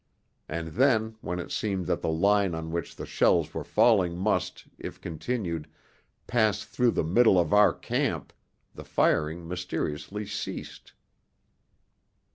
And then, when it seemed that the line on which the shells were falling must, if continued, pass through the middle of our camp, the firing mysteriously ceased.